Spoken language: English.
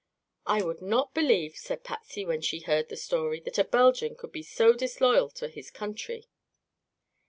"I would not believe," said Patsy, when she heard the story, "that a Belgian could be so disloyal to his country."